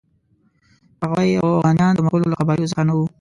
هغه وایي اوغانیان د مغولو له قبایلو څخه نه وو.